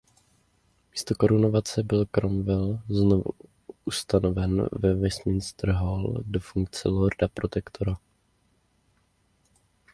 Místo korunovace byl Cromwell znovu ustanoven ve Westminster Hall do funkce lorda protektora.